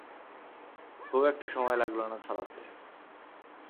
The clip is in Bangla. খুব একটা সময় লাগলো না ছড়াতে।